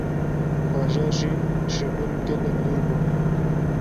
bajar jî ji gund gelek dûr bû.